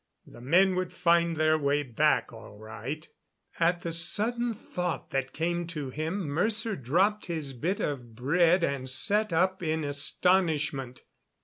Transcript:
The men would find their way back all right At the sudden thought that came to him Mercer dropped his bit of bread and sat up in astonishment.